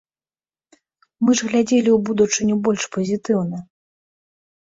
Мы ж глядзелі ў будучыню больш пазітыўна.